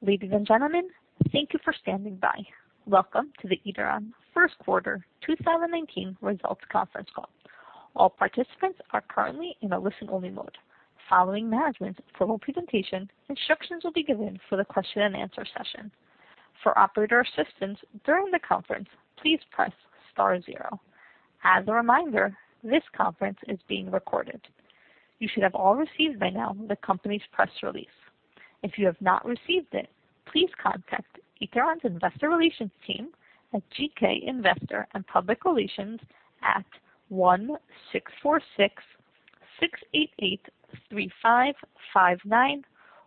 Ladies and gentlemen, thank you for standing by. Welcome to the Ituran first quarter 2019 results conference call. All participants are currently in a listen-only mode. Following management's formal presentation, instructions will be given for the question and answer session. For operator assistance during the conference, please press star zero. As a reminder, this conference is being recorded. You should have all received by now the company's press release. If you have not received it, please contact Ituran's investor relations team at GK Investor & Public Relations at 1-646-688-3559,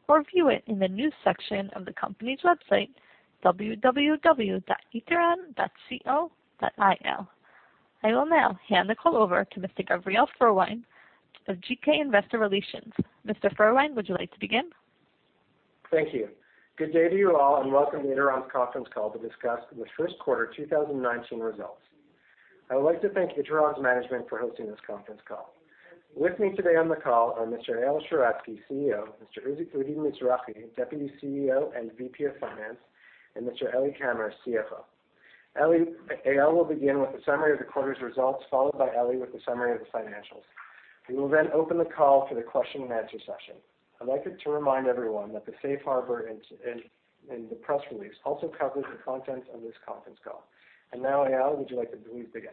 or view it in the news section of the company's website, www.ituran.co.il. I will now hand the call over to Mr. Gavriel Firwein of GK Investor Relations. Mr. Firwein, would you like to begin? Thank you. Good day to you all and welcome to Ituran's conference call to discuss the first quarter 2019 results. I would like to thank Ituran's management for hosting this conference call. With me today on the call are Mr. Eyal Sheratzky, CEO; Mr. Udi Mizrahi, Deputy CEO and VP of Finance; and Mr. Eli Kamer, CFO. Eyal will begin with a summary of the quarter's results, followed by Eli with a summary of the financials. We will then open the call for the question and answer session. I'd like to remind everyone that the safe harbor in the press release also covers the content of this conference call. Now, Eyal, would you like to please begin?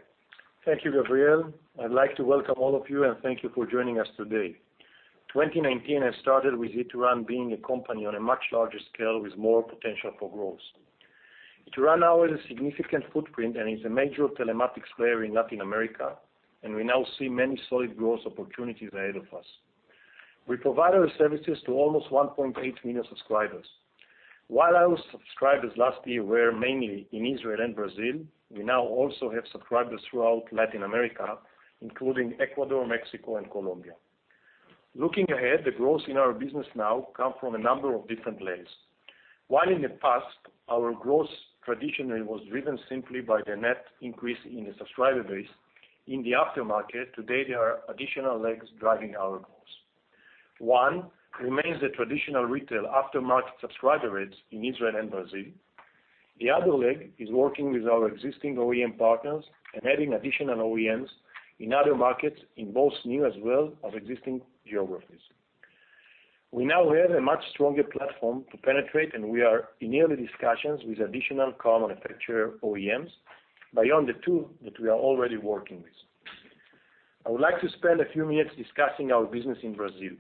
Thank you, Gavriel. I'd like to welcome all of you, and thank you for joining us today. 2019 has started with Ituran being a company on a much larger scale with more potential for growth. Ituran now has a significant footprint and is a major telematics player in Latin America, and we now see many solid growth opportunities ahead of us. We provide our services to almost 1.8 million subscribers. While our subscribers last year were mainly in Israel and Brazil, we now also have subscribers throughout Latin America, including Ecuador, Mexico and Colombia. Looking ahead, the growth in our business now comes from a number of different legs. While in the past, our growth traditionally was driven simply by the net increase in the subscriber base in the aftermarket, today, there are additional legs driving our growth. One remains the traditional retail aftermarket subscriber rates in Israel and Brazil. The other leg is working with our existing OEM partners and adding additional OEMs in other markets in both new as well as existing geographies. We now have a much stronger platform to penetrate, and we are in early discussions with additional car manufacturer OEMs beyond the two that we are already working with. I would like to spend a few minutes discussing our business in Brazil.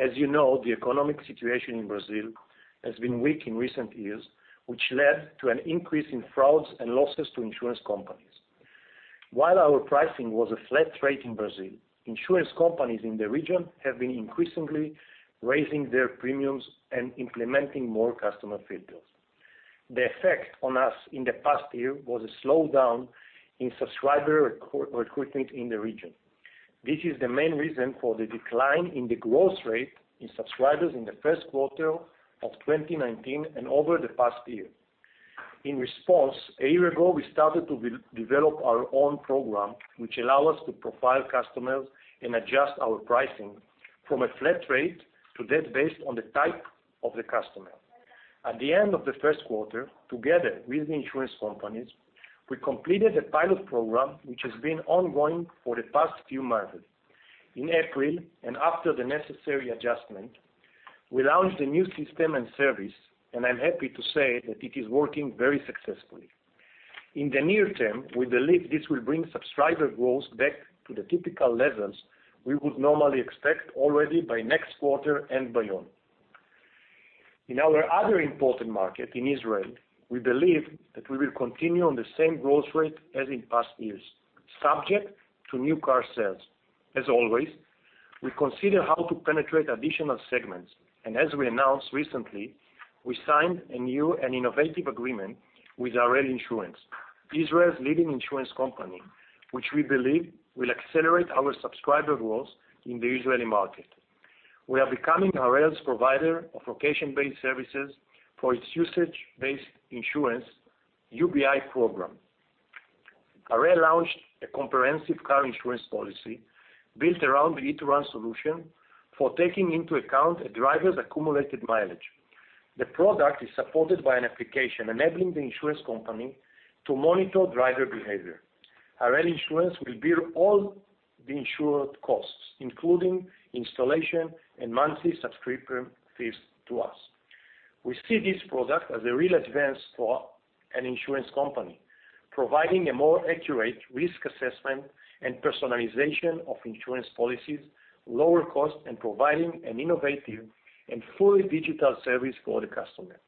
As you know, the economic situation in Brazil has been weak in recent years, which led to an increase in frauds and losses to insurance companies. While our pricing was a flat rate in Brazil, insurance companies in the region have been increasingly raising their premiums and implementing more customer filters. The effect on us in the past year was a slowdown in subscriber recruitment in the region. This is the main reason for the decline in the growth rate in subscribers in the first quarter of 2019 and over the past year. In response, a year ago, we started to develop our own program, which allow us to profile customers and adjust our pricing from a flat rate to that based on the type of the customer. At the end of the first quarter, together with the insurance companies, we completed a pilot program which has been ongoing for the past few months. In April, after the necessary adjustment, we launched a new system and service, and I'm happy to say that it is working very successfully. In the near term, we believe this will bring subscriber growth back to the typical levels we would normally expect already by next quarter and beyond. In our other important market, in Israel, we believe that we will continue on the same growth rate as in past years, subject to new car sales. As always, we consider how to penetrate additional segments. As we announced recently, we signed a new and innovative agreement with Harel Insurance, Israel's leading insurance company, which we believe will accelerate our subscriber growth in the Israeli market. We are becoming Harel's provider of location-based services for its usage-based insurance UBI program. Harel launched a comprehensive car insurance policy built around the Ituran solution for taking into account a driver's accumulated mileage. The product is supported by an application enabling the insurance company to monitor driver behavior. Harel Insurance will bear all the insured costs, including installation and monthly subscription fees to us. We see this product as a real advance for an insurance company, providing a more accurate risk assessment and personalization of insurance policies, lower cost, and providing an innovative and fully digital service for the customer.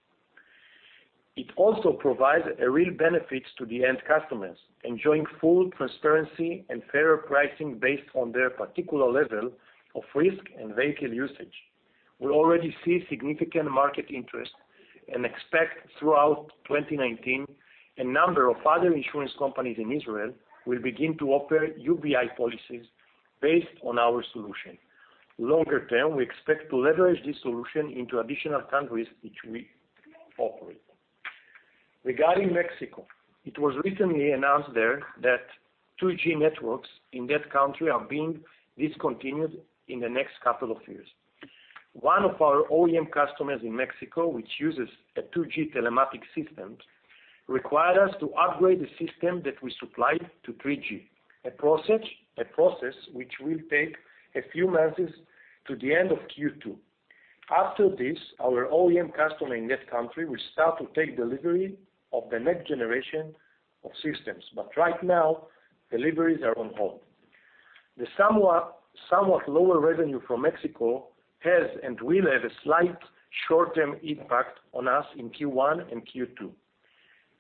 It also provides a real benefit to the end customers, enjoying full transparency and fairer pricing based on their particular level of risk and vehicle usage. We already see significant market interest and expect throughout 2019, a number of other insurance companies in Israel will begin to offer UBI policies based on our solution. Longer term, we expect to leverage this solution into additional countries which we operate. Regarding Mexico, it was recently announced there that 2G networks in that country are being discontinued in the next couple of years. One of our OEM customers in Mexico, which uses a 2G telematics system, required us to upgrade the system that we supplied to 3G, a process which will take a few months to the end of Q2. After this, our OEM customer in that country will start to take delivery of the next generation of systems. Right now, deliveries are on hold. The somewhat lower revenue from Mexico has and will have a slight short-term impact on us in Q1 and Q2.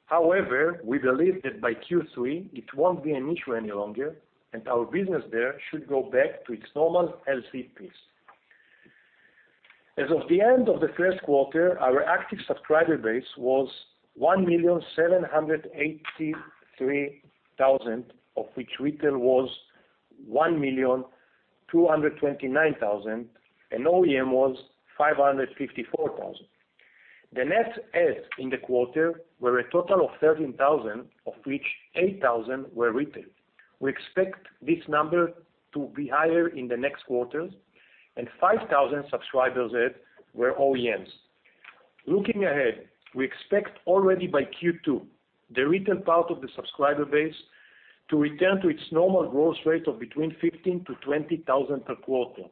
However, we believe that by Q3 it won't be an issue any longer, and our business there should go back to its normal healthy pace. As of the end of the first quarter, our active subscriber base was 1,783,000, of which retail was 1,229,000, and OEM was 554,000. The net adds in the quarter were a total of 13,000, of which 8,000 were retail. We expect this number to be higher in the next quarters. 5,000 subscribers adds were OEMs. Looking ahead, we expect already by Q2, the retail part of the subscriber base to return to its normal growth rate of between 15,000-20,000 per quarter.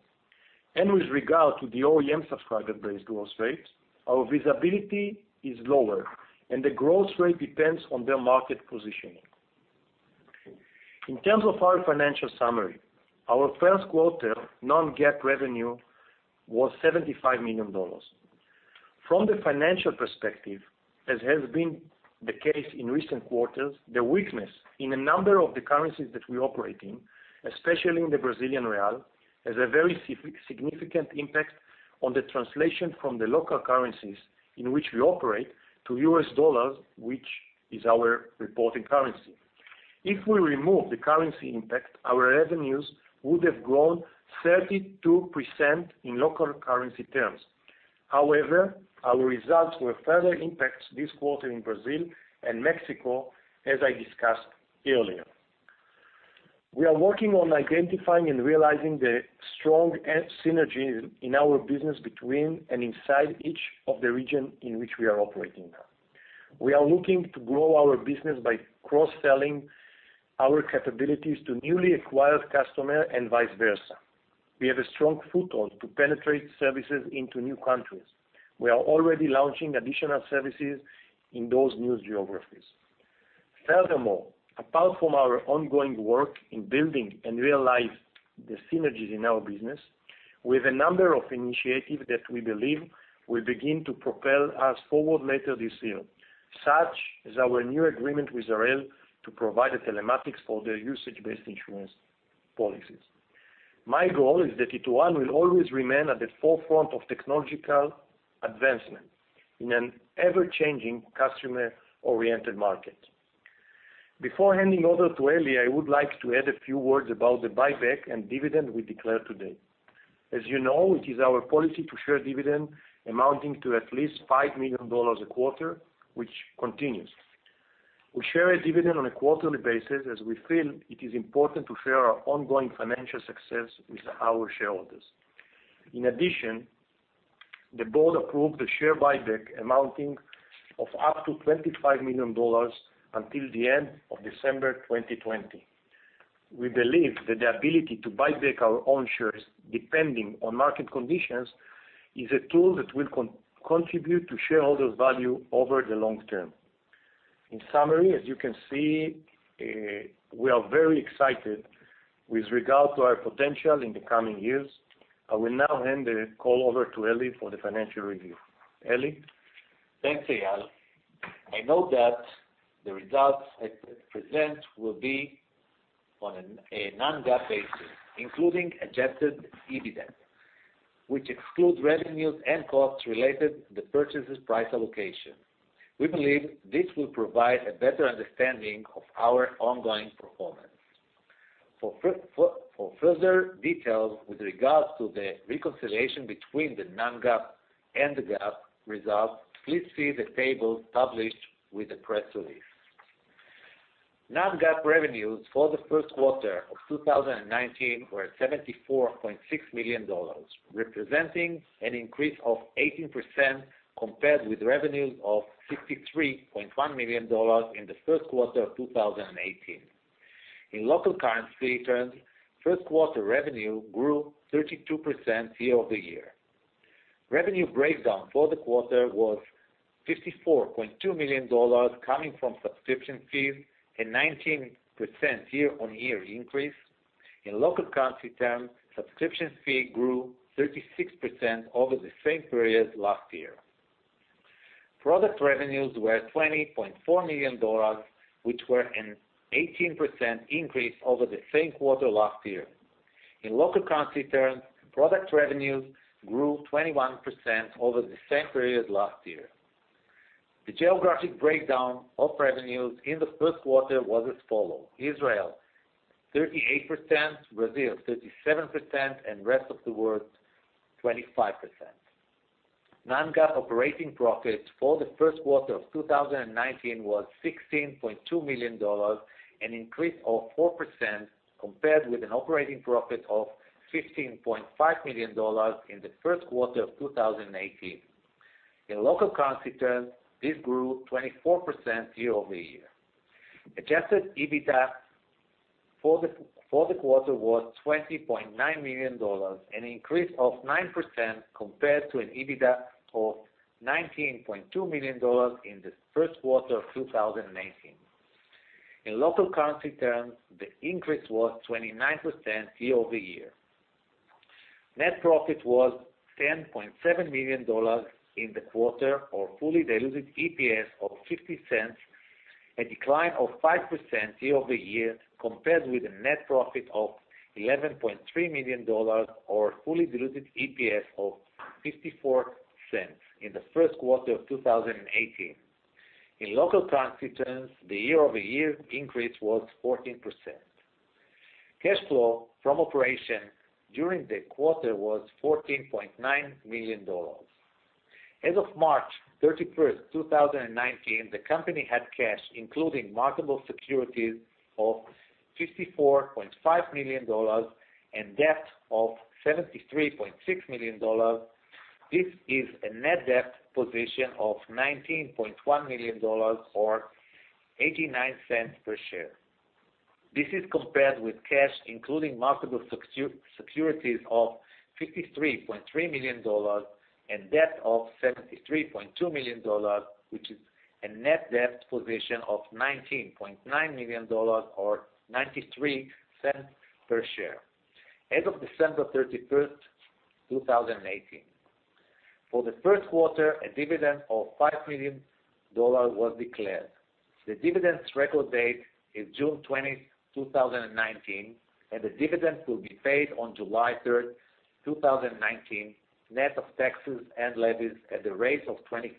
With regard to the OEM subscriber base growth rate, our visibility is lower, and the growth rate depends on their market positioning. In terms of our financial summary, our first quarter non-GAAP revenue was $75 million. From the financial perspective, as has been the case in recent quarters, the weakness in a number of the currencies that we operate in, especially in the Brazilian real, has a very significant impact on the translation from the local currencies in which we operate to US dollars, which is our reporting currency. If we remove the currency impact, our revenues would have grown 32% in local currency terms. However, our results were further impacted this quarter in Brazil and Mexico, as I discussed earlier. We are working on identifying and realizing the strong synergies in our business between and inside each of the regions in which we are operating now. We are looking to grow our business by cross-selling our capabilities to newly acquired customer and vice versa. We have a strong foothold to penetrate services into new countries. We are already launching additional services in those new geographies. Furthermore, apart from our ongoing work in building and realize the synergies in our business, we have a number of initiatives that we believe will begin to propel us forward later this year, such as our new agreement with Harel to provide the telematics for their usage-based insurance policies. My goal is that Ituran will always remain at the forefront of technological advancement in an ever-changing customer-oriented market. Before handing over to Eli, I would like to add a few words about the buyback and dividend we declared today. As you know, it is our policy to share dividend amounting to at least $5 million a quarter, which continues. We share a dividend on a quarterly basis as we feel it is important to share our ongoing financial success with our shareholders. In addition, the board approved the share buyback amounting of up to $25 million until the end of December 2020. We believe that the ability to buy back our own shares, depending on market conditions, is a tool that will contribute to shareholder value over the long term. In summary, as you can see, we are very excited with regard to our potential in the coming years. I will now hand the call over to Eli for the financial review. Eli? Thanks, Eyal. I note that the results I present will be on a non-GAAP basis, including adjusted EBITDA, which excludes revenues and costs related to the purchase price allocation. We believe this will provide a better understanding of our ongoing performance. For further details with regards to the reconciliation between the non-GAAP and the GAAP results, please see the tables published with the press release. Non-GAAP revenues for the first quarter of 2019 were $74.6 million, representing an increase of 18% compared with revenues of $63.1 million in the first quarter of 2018. In local currency terms, first quarter revenue grew 32% year-over-year. Revenue breakdown for the quarter was $54.2 million coming from subscription fees, a 19% year-on-year increase. In local currency terms, subscription fee grew 36% over the same period last year. Product revenues were $20.4 million, which were an 18% increase over the same quarter last year. In local currency terms, product revenues grew 21% over the same period last year. The geographic breakdown of revenues in the first quarter was as follows: Israel 38%, Brazil 37%, and rest of the world 25%. Non-GAAP operating profit for the first quarter of 2019 was $16.2 million, an increase of 4% compared with an operating profit of $15.5 million in the first quarter of 2018. In local currency terms, this grew 24% year-over-year. Adjusted EBITDA for the quarter was $20.9 million, an increase of 9% compared to an EBITDA of $19.2 million in the first quarter of 2018. In local currency terms, the increase was 29% year-over-year. Net profit was $10.7 million in the quarter, or fully diluted EPS of $0.50, a decline of 5% year-over-year, compared with a net profit of $11.3 million or fully diluted EPS of $0.54 in the first quarter of 2018. In local currency terms, the year-over-year increase was 14%. Cash flow from operations during the quarter was $14.9 million. As of March 31st, 2019, the company had cash, including marketable securities, of $54.5 million and debt of $73.6 million. This is a net debt position of $19.1 million or $0.89 per share. This is compared with cash, including marketable securities of $53.3 million and debt of $73.2 million, which is a net debt position of $19.9 million or $0.93 per share as of December 31st, 2018. For the first quarter, a dividend of $5 million was declared. The dividend's record date is June 20th, 2019, and the dividend will be paid on July 3rd, 2019, net of taxes and levies at the rate of 25%.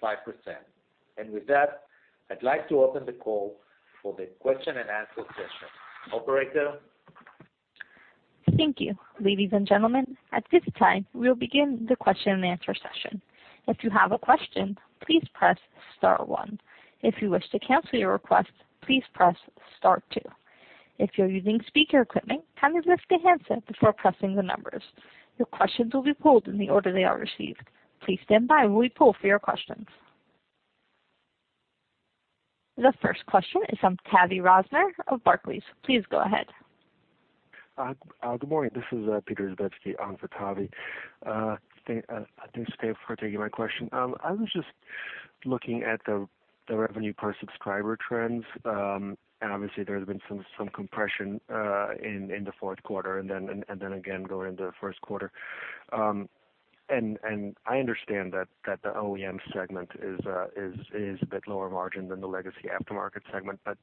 With that, I'd like to open the call for the question and answer session. Operator? Thank you. Ladies and gentlemen, at this time, we'll begin the question and answer session. If you have a question, please press star one. If you wish to cancel your request, please press star two. If you're using speaker equipment, kindly lift the handset before pressing the numbers. Your questions will be pulled in the order they are received. Please stand by while we pull for your questions. The first question is from Tavy Rosner of Barclays. Please go ahead. Good morning. This is Peter Zibetski on for Tavi. Thanks, Gav, for taking my question. I was just looking at the revenue per subscriber trends, and obviously, there's been some compression in the fourth quarter and then again going into the first quarter. I understand that the OEM segment is a bit lower margin than the legacy aftermarket segment, but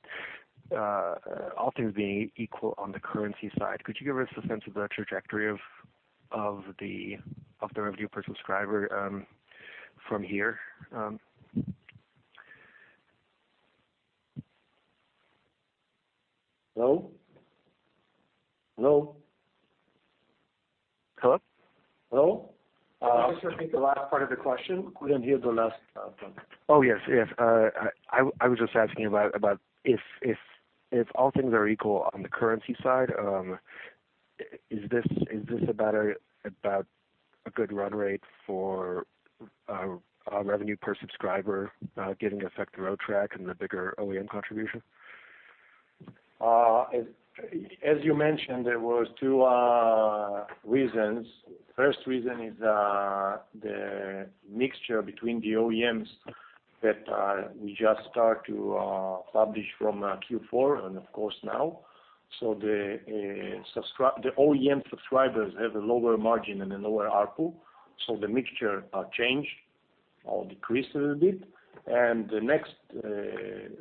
all things being equal on the currency side, could you give us a sense of the trajectory of the revenue per subscriber from here? Hello? Hello? Hello? Hello? Could you repeat the last part of the question? We didn't hear the last part. Oh, yes. I was just asking about if all things are equal on the currency side, is this about a good run rate for revenue per subscriber giving effect to Road Track and the bigger OEM contribution? As you mentioned, there were two reasons. First reason is the mixture between the OEMs that we just start to publish from Q4 and, of course, now. The OEM subscribers have a lower margin and a lower ARPU, the mixture changed or decreased a little bit. The next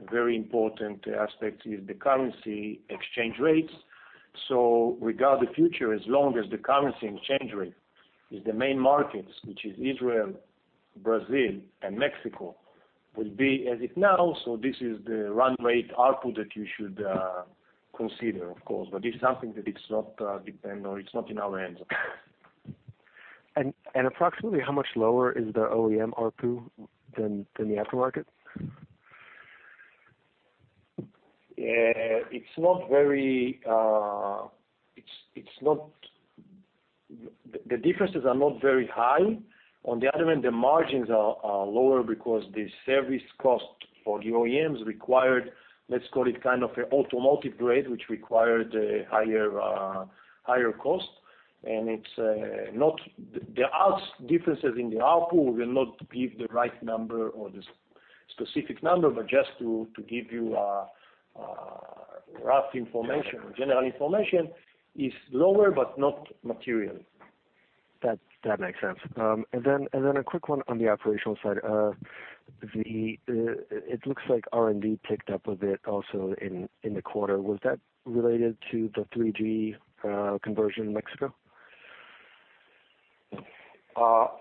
very important aspect is the currency exchange rates. Regard the future, as long as the currency exchange rate is the main markets, which is Israel, Brazil, and Mexico, will be as it now. This is the run rate ARPU that you should consider, of course, but it's something that it's not depend or it's not in our hands. Approximately how much lower is the OEM ARPU than the aftermarket? The differences are not very high. On the other hand, the margins are lower because the service cost for the OEMs required, let's call it kind of an automotive grade, which required a higher cost, and there are differences in the ARPU. We'll not give the right number or the specific number, but just to give you a rough information, general information, it's lower, but not material. That makes sense. A quick one on the operational side. It looks like R&D ticked up a bit also in the quarter. Was that related to the 3G conversion in Mexico?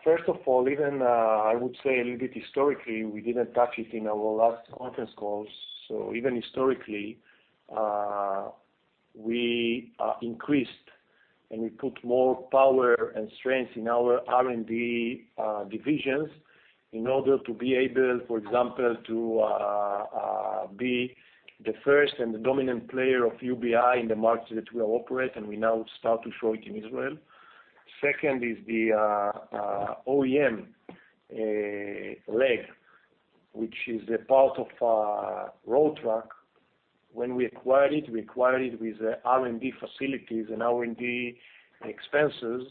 First of all, even I would say a little bit historically, we did not touch it in our last conference calls. Even historically, we increased, and we put more power and strength in our R&D divisions in order to be able, for example, to be the first and the dominant player of UBI in the market that we operate, and we now start to show it in Israel. Second is the OEM leg, which is a part of Road Track. When we acquired it, we acquired it with the R&D facilities and R&D expenses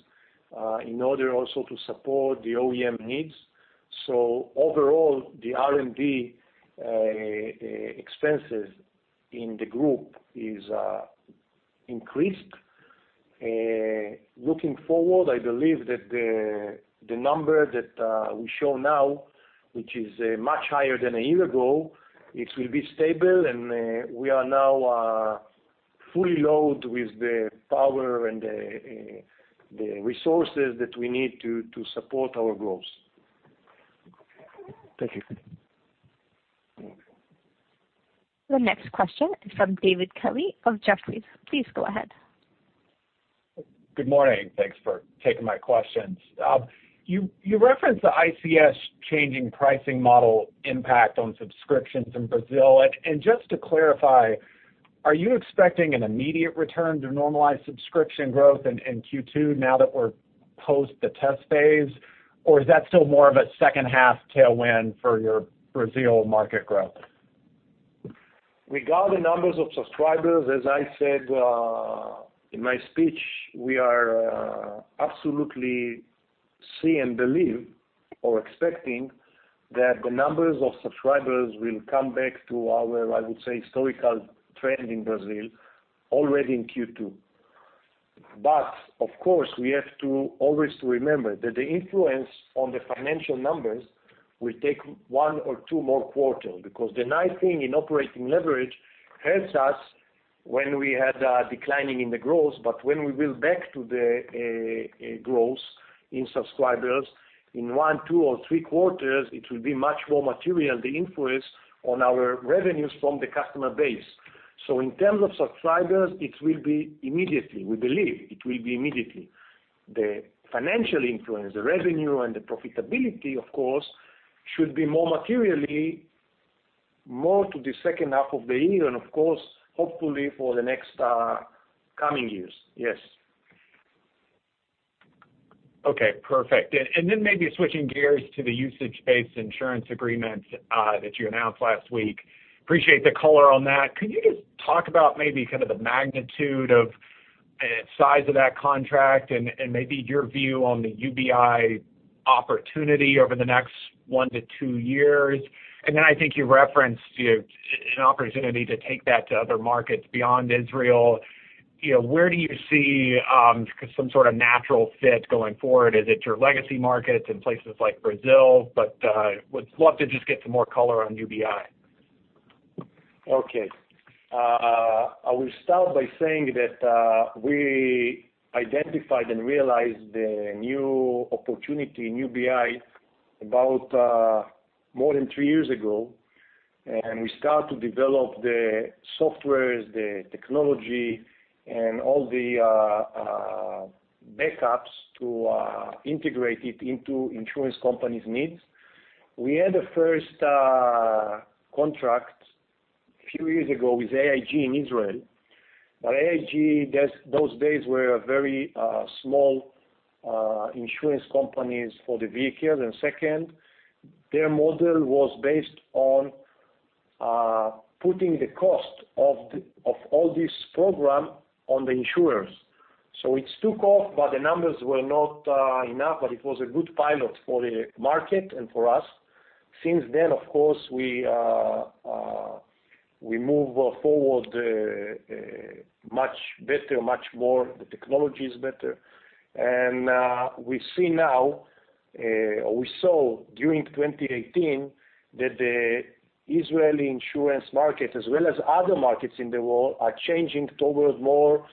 in order also to support the OEM needs. Overall, the R&D expenses in the group is increased. Looking forward, I believe that the number that we show now, which is much higher than a year ago, it will be stable, and we are now fully loaded with the power and the resources that we need to support our growth. Thank you. The next question is from David Kelly of Jefferies. Please go ahead. Good morning. Thanks for taking my questions. You referenced the ICMS changing pricing model impact on subscriptions in Brazil. Just to clarify, are you expecting an immediate return to normalized subscription growth in Q2 now that we're post the test phase, or is that still more of a second half tailwind for your Brazil market growth? Regarding numbers of subscribers, as I said in my speech, we are absolutely see and believe or expecting that the numbers of subscribers will come back to our, I would say, historical trend in Brazil already in Q2. Of course, we have to always remember that the influence on the financial numbers will take one or two more quarters, because the nice thing in operating leverage helps us when we had a declining in the growth, but when we will back to the growth in subscribers in one, two, or three quarters, it will be much more material, the influence on our revenues from the customer base. In terms of subscribers, it will be immediately. We believe it will be immediately. The financial influence, the revenue, and the profitability, of course, should be more materially more to the second half of the year and of course, hopefully for the next coming years. Yes. Okay, perfect. Maybe switching gears to the usage-based insurance agreement that you announced last week. Appreciate the color on that. Could you just talk about maybe kind of the magnitude of size of that contract and maybe your view on the UBI opportunity over the next one to two years? I think you referenced an opportunity to take that to other markets beyond Israel. Where do you see some sort of natural fit going forward? Is it your legacy markets in places like Brazil? Would love to just get some more color on UBI. Okay. I will start by saying that we identified and realized the new opportunity in UBI about more than three years ago, we start to develop the softwares, the technology, and all the backups to integrate it into insurance companies' needs. We had the first contract a few years ago with AIG in Israel, AIG, those days, were a very small insurance companies for the vehicles. Second, their model was based on putting the cost of all this program on the insurers. It took off, but the numbers were not enough, but it was a good pilot for the market and for us. Since then, of course, we move forward much better, much more, the technology is better. We see now, or we saw during 2018, that the Israeli insurance market, as well as other markets in the world, are changing towards more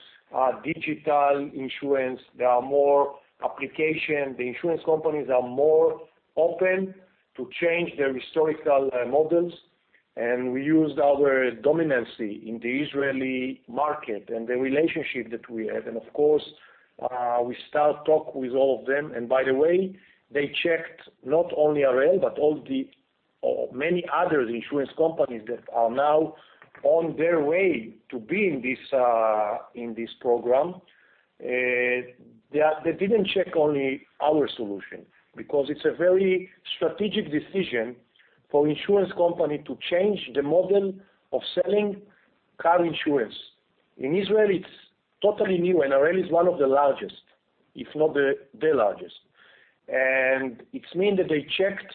digital insurance. There are more application. The insurance companies are more open to change their historical models, we used our dominancy in the Israeli market and the relationship that we have. Of course, we start talk with all of them. By the way, they checked not only Harel, but many other insurance companies that are now on their way to be in this program. They didn't check only our solution because it's a very strategic decision for insurance company to change the model of selling car insurance. In Israel, it's totally new, Harel is one of the largest, if not the largest. It means that they checked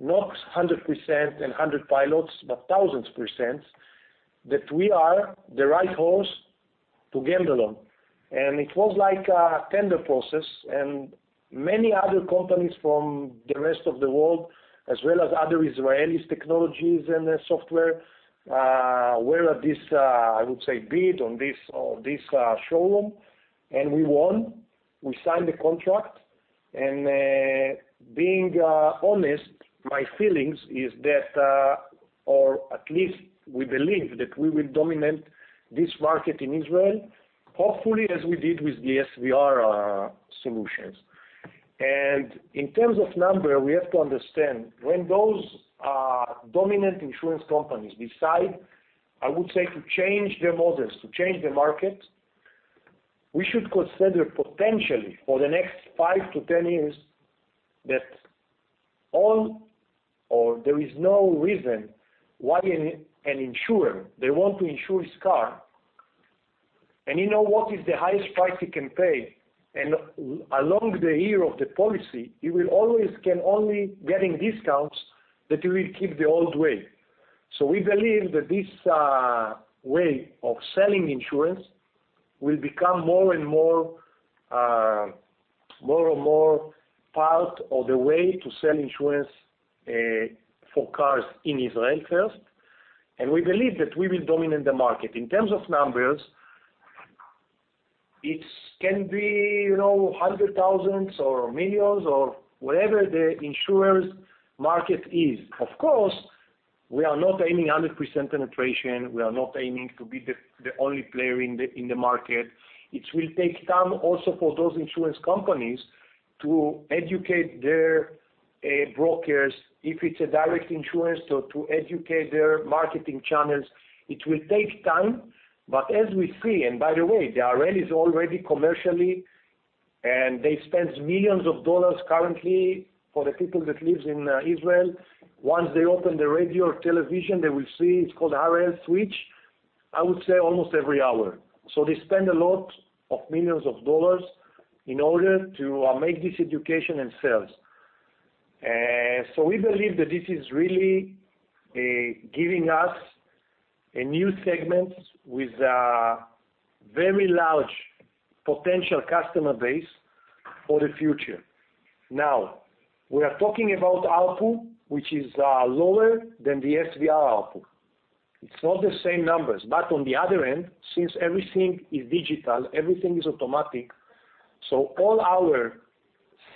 not 100% and 100 pilots, but thousands percents that we are the right horse to gamble on. It was like a tender process, many other companies from the rest of the world, as well as other Israeli technologies and software, were at this, I would say, bid on this showroom, we won. We signed the contract. Being honest, my feelings is that, or at least we believe that we will dominate this market in Israel, hopefully, as we did with the SVR solutions. In terms of number, we have to understand, when those dominant insurance companies decide, I would say, to change their models, to change the market, we should consider potentially for the next 5 to 10 years, that all or there is no reason why an insurer, they want to insure his car, and you know what is the highest price he can pay, and along the year of the policy, he will always can only getting discounts that he will keep the old way. We believe that this way of selling insurance will become more and more part of the way to sell insurance for cars in Israel first, and we believe that we will dominate the market. In terms of numbers, it can be hundred thousands or millions or whatever the insurer's market is. Of course, we are not aiming 100% penetration. We are not aiming to be the only player in the market. It will take time also for those insurance companies to educate their brokers, if it's a direct insurance, to educate their marketing channels. It will take time, but as we see, and by the way, the Harel is already commercially, and they spend millions of dollars currently for the people that lives in Israel. Once they open the radio or television, they will see it's called Harel Switch, I would say almost every hour. They spend a lot of millions of dollars in order to make this education and sales. We believe that this is really giving us a new segment with a very large potential customer base for the future. Now, we are talking about ARPU, which is lower than the SVR ARPU. It's not the same numbers, on the other end, since everything is digital, everything is automatic, all our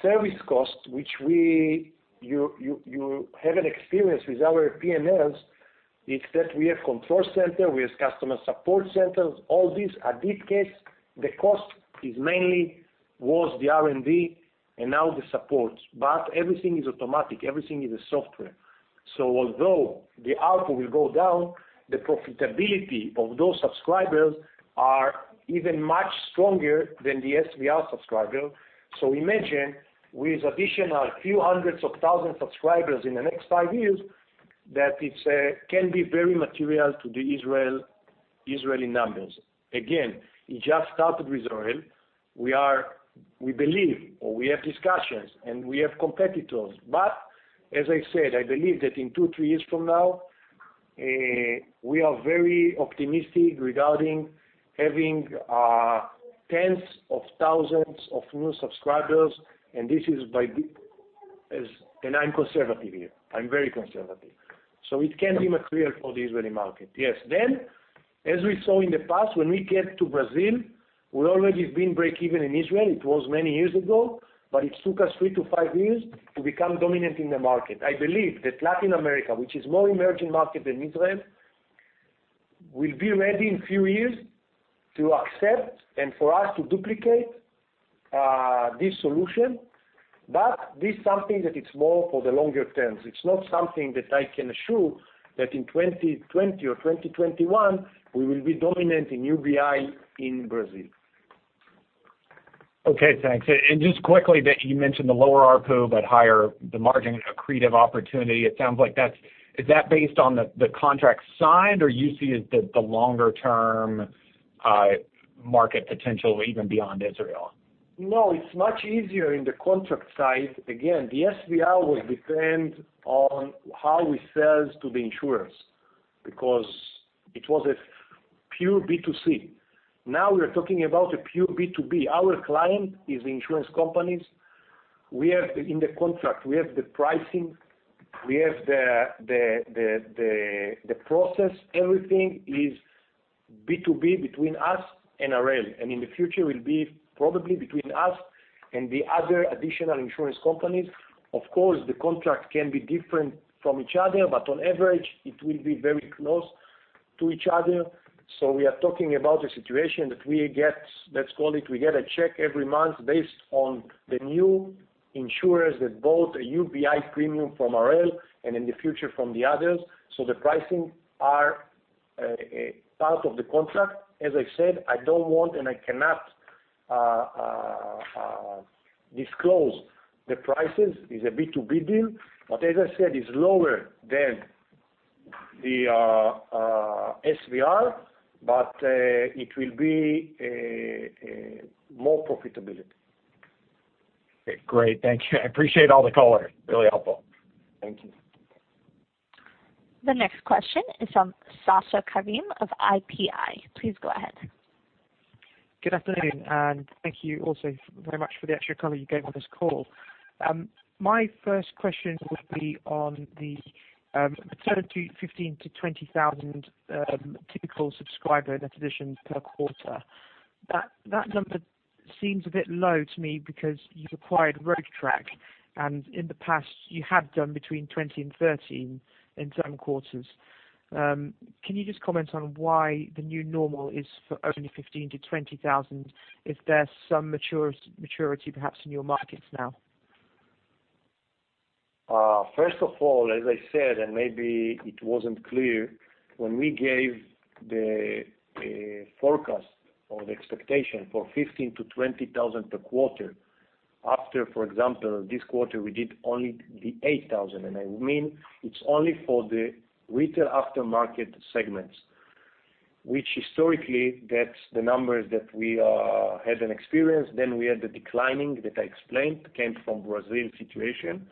service costs, which you have an experience with our P&Ls, is that we have control center, we have customer support centers, all these. At this case, the cost is mainly was the R&D, and now the support. Everything is automatic. Everything is a software. Although the ARPU will go down, the profitability of those subscribers are even much stronger than the SVR subscriber. Imagine with additional few hundreds of thousand subscribers in the next five years, that it can be very material to the Israeli numbers. Again, it just started with Harel. We believe, or we have discussions, and we have competitors, as I said, I believe that in two, three years from now, we are very optimistic regarding having tens of thousands of new subscribers, and I'm conservative here. I'm very conservative. It can be material for the Israeli market. Yes. As we saw in the past, when we get to Brazil, we already been break even in Israel. It was many years ago, but it took us three to five years to become dominant in the market. I believe that Latin America, which is more emerging market than Israel, will be ready in few years to accept and for us to duplicate this solution. This something that it's more for the longer term. It's not something that I can assure that in 2020 or 2021, we will be dominant in UBI in Brazil. Okay, thanks. Just quickly, you mentioned the lower ARPU, higher the margin accretive opportunity. Is that based on the contract signed, or you see the longer-term market potential even beyond Israel? No, it's much easier in the contract side. Again, the SVR will depend on how we sell to the insurers because it was a pure B2C. Now we're talking about a pure B2B. Our client is insurance companies. In the contract, we have the pricing, we have the process. Everything is B2B between us and Harel, and in the future will be probably between us and the other additional insurance companies. Of course, the contract can be different from each other, on average, it will be very close to each other. We are talking about a situation that we get, let's call it, we get a check every month based on the new insurers that bought a UBI premium from Harel, and in the future from the others. The pricing are part of the contract. As I said, I don't want, and I cannot disclose the prices. It's a B2B deal. As I said, it's lower than the SVR, but it will be more profitability. Okay, great. Thank you. I appreciate all the color. Really helpful. Thank you. The next question is from Sasha Karim of IPI. Please go ahead. Good afternoon. Thank you also very much for the extra color you gave on this call. My first question would be on the return to 15,000-20,000 typical subscriber net additions per quarter. That number seems a bit low to me because you've acquired RoadTrack, and in the past, you have done between 20,000 and 13,000 in some quarters. Can you just comment on why the new normal is for only 15,000-20,000? Is there some maturity, perhaps, in your markets now? First of all, as I said. Maybe it wasn't clear, when we gave the forecast or the expectation for 15,000-20,000 per quarter after, for example, this quarter, we did only the 8,000. I mean, it's only for the retail aftermarket segments, which historically, that's the numbers that we had an experience, then we had the declining that I explained came from Brazil situation.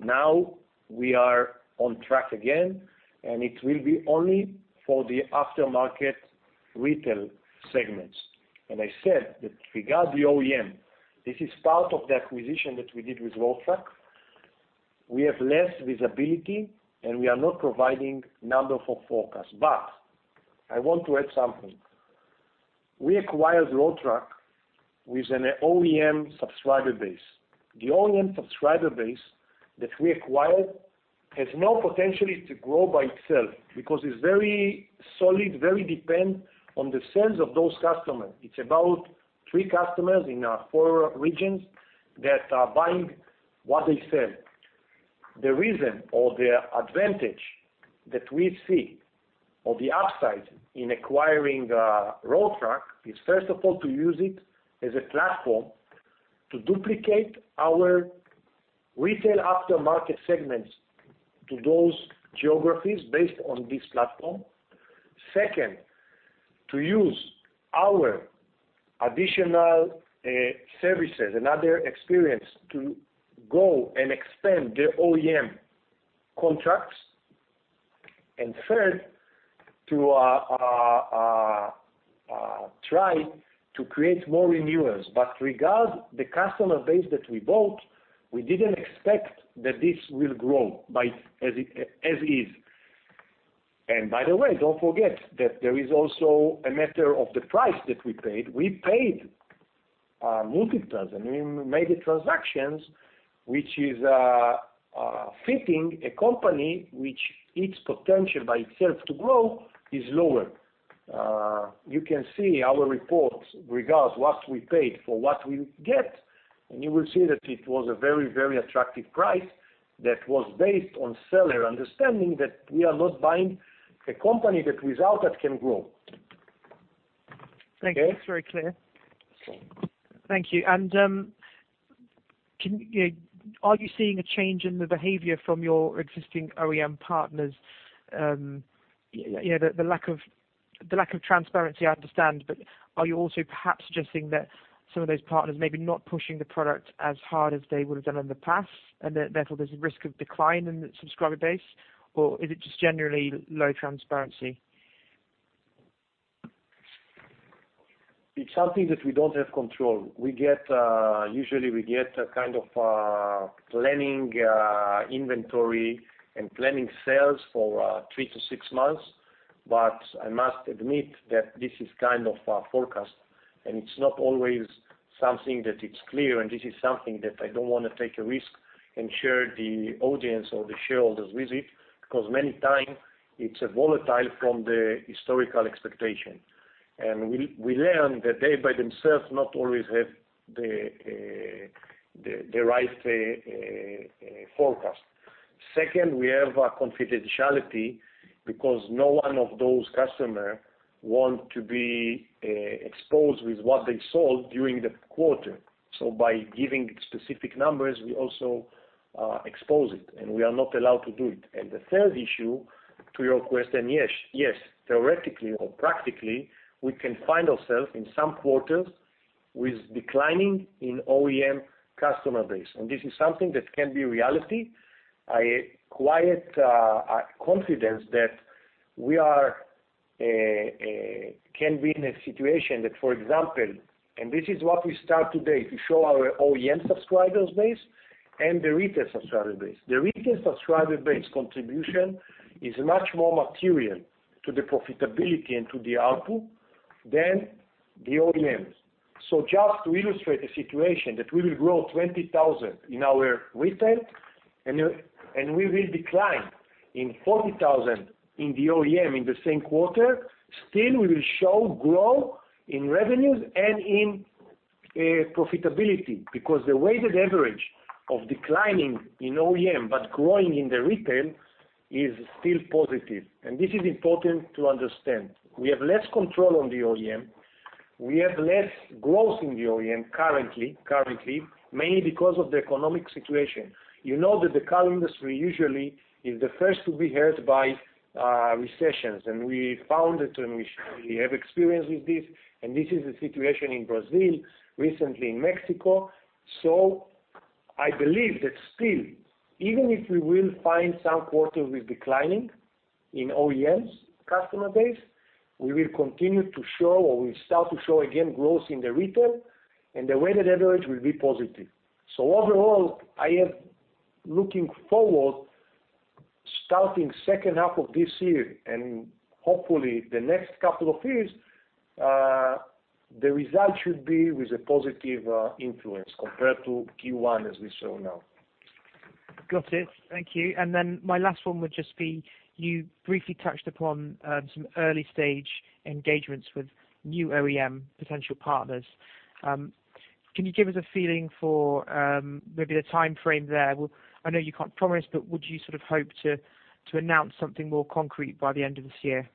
Now, we are on track again. It will be only for the aftermarket retail segments. I said that regard the OEM. This is part of the acquisition that we did with RoadTrack. We have less visibility. We are not providing number for forecast. I want to add something. We acquired RoadTrack with an OEM subscriber base. The OEM subscriber base that we acquired has no potentially to grow by itself because it's very solid, very dependent on the sales of those customers. It's about three customers in four regions that are buying what they sell. The reason or the advantage that we see or the upside in acquiring Road Track is, first of all, to use it as a platform to duplicate our retail aftermarket segments to those geographies based on this platform. Second, to use our additional services and other experience to go and extend the OEM contracts. Third, to try to create more renewals. But regard the customer base that we bought, we didn't expect that this will grow as is. By the way, don't forget that there is also a matter of the price that we paid. We paid multiples. We made the transactions, which is fitting a company which its potential by itself to grow is lower. You can see our reports regards what we paid for what we get. You will see that it was a very attractive price that was based on seller understanding that we are not buying a company that without that can grow. Okay. Thank you. It's very clear. Thank you. Are you seeing a change in the behavior from your existing OEM partners? The lack of transparency, I understand, but are you also perhaps just seeing that some of those partners maybe not pushing the product as hard as they would have done in the past? Therefore, there's a risk of decline in the subscriber base, or is it just generally low transparency? It's something that we don't have control. Usually, we get a kind of planning inventory and planning sales for three to six months. I must admit that this is kind of a forecast, and it's not always something that it's clear. This is something that I don't want to take a risk and share the audience or the shareholders with it, because many time it's volatile from the historical expectation. We learn that they, by themselves, not always have the right forecast. Second, we have a confidentiality because no one of those customer want to be exposed with what they sold during the quarter. By giving specific numbers, we also expose it, and we are not allowed to do it. The third issue to your question, yes. Theoretically or practically, we can find ourselves in some quarters with declining in OEM customer base, this is something that can be reality. I have quiet confidence that we can be in a situation that, for example, this is what we start today, to show our OEM subscribers base and the retail subscriber base. The retail subscriber base contribution is much more material to the profitability and to the output than the OEMs. Just to illustrate the situation that we will grow 20,000 in our retail, and we will decline in 40,000 in the OEM in the same quarter, still, we will show growth in revenues and in profitability because the weighted average of declining in OEM, but growing in the retail is still positive, and this is important to understand. We have less control on the OEM. We have less growth in the OEM currently, mainly because of the economic situation. You know that the car industry usually is the first to be hurt by recessions, we found it, we have experience with this is the situation in Brazil, recently in Mexico. I believe that still, even if we will find some quarter with declining in OEMs customer base, we will continue to show or we start to show again growth in the retail, the weighted average will be positive. Overall, I am looking forward starting second half of this year, and hopefully the next couple of years, the result should be with a positive influence compared to Q1 as we saw now. Got it. Thank you. Then my last one would just be, you briefly touched upon some early-stage engagements with new OEM potential partners. Can you give us a feeling for maybe the time frame there? I know you can't promise, would you sort of hope to announce something more concrete by the end of this year?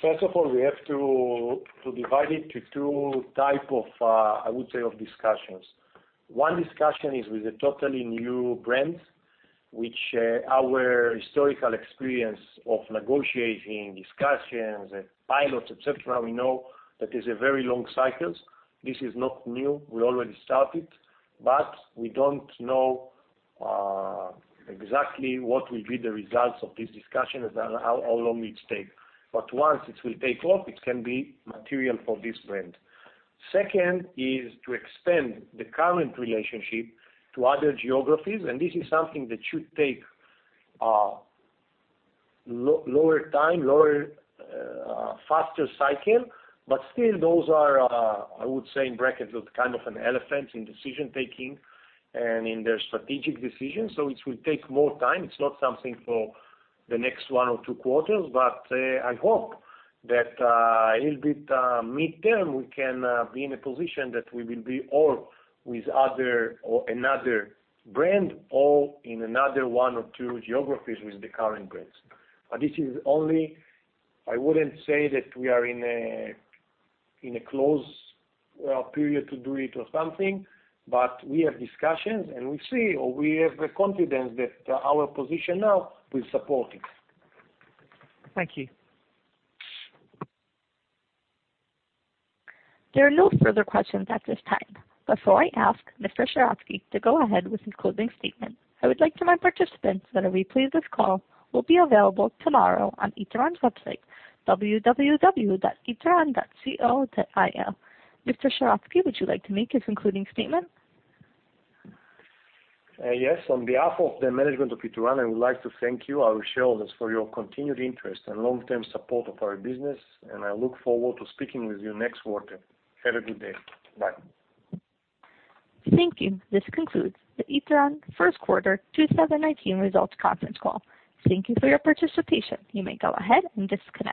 First of all, we have to divide it to two type of, I would say, of discussions. One discussion is with the totally new brands, which our historical experience of negotiating discussions and pilots, et cetera, we know that is a very long cycles. This is not new. We already started, we don't know exactly what will be the results of this discussion as how long it take. Once it will take off, it can be material for this brand. Second is to extend the current relationship to other geographies, this is something that should take lower time, faster cycle, still those are, I would say in brackets, kind of an elephant in decision-making and in their strategic decisions. It will take more time. I hope that a little bit, midterm, we can be in a position that we will be or with other or another brand or in another one or two geographies with the current brands. This is only, I wouldn't say that we are in a close period to do it or something, but we have discussions, and we see, or we have the confidence that our position now will support it. Thank you. There are no further questions at this time. Before I ask Mr. Sheratzky to go ahead with his closing statement, I would like to remind participants that a replay of this call will be available tomorrow on Ituran's website, www.ituran.co.il. Mr. Sheratzky, would you like to make your concluding statement? Yes. On behalf of the management of Ituran, I would like to thank you, our shareholders, for your continued interest and long-term support of our business, and I look forward to speaking with you next quarter. Have a good day. Bye. Thank you. This concludes the Ituran first quarter 2019 results conference call. Thank you for your participation. You may go ahead and disconnect.